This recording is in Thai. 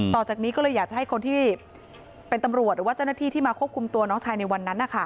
ต่อจากนี้ก็เลยอยากจะให้คนที่เป็นตำรวจหรือว่าเจ้าหน้าที่ที่มาควบคุมตัวน้องชายในวันนั้น